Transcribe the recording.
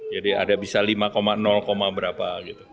jadi ada bisa lima berapa gitu